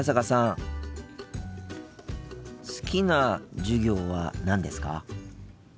好きな授業は何ですか？